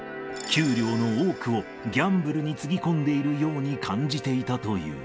給料の多くをギャンブルにつぎ込んでいるように感じていたという。